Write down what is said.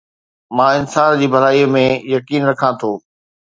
مان انسان جي ڀلائي ۾ يقين رکان ٿو